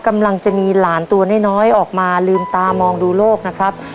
กำลังจะมีหลานตัวน้อยออกมาลืมตามองดูโลกนะครับ